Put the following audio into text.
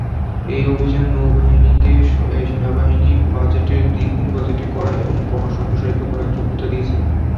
এই অভিযান নৌবাহিনীকে সেনাবাহিনী বাজেটের দ্বিগুণ বাজেট করার এবং বহর সম্প্রসারিত করার যোগ্যতা দিয়েছিল।